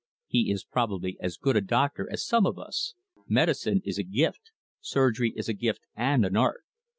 "He is probably as good a doctor as some of us. Medicine is a gift, surgery is a gift and an art.